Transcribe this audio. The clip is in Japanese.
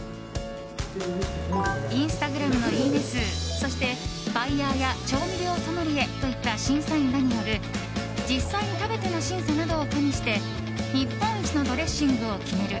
インスタグラムのいいね数そして、バイヤーや調味料ソムリエといった審査員らによる実際に食べての審査などを加味して日本一のドレッシングを決める